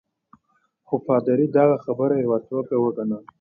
خو پادري دغه خبره یوه ټوکه وګڼل.